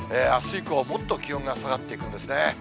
あす以降はもっと気温が下がっていくんですね。